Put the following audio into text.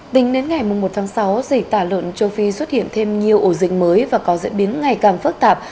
tính đến ngày một tháng sáu dịch tả lợn châu phi xuất hiện thêm nhiều ổ dịch mới và có diễn biến ngày càng phức tạp